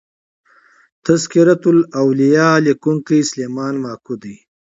" تذکرة الاولیا" لیکونکی سلیمان ماکو دﺉ.